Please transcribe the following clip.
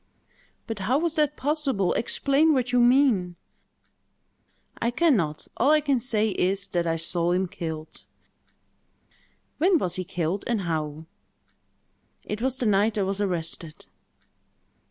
"But how was that possible? Explain what you mean!" "I can not. All I can say is, that I saw him killed." "When was he killed, and how?" "It was the night I was arrested."